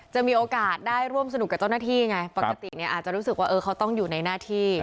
จะมีโอกาสได้ร่วมสนุกกับเจ้าหน้าที่ไงปกติเนี่ยอาจจะรู้สึกว่าเขาต้องอยู่ในหน้าที่